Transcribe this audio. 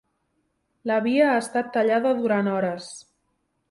La via ha estat tallada durant hores.